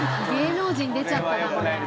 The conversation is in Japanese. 芸能人出ちゃったな。